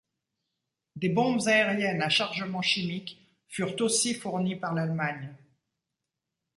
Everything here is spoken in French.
Des bombes aériennes à chargement chimique furent aussi fournies par l’Allemagne.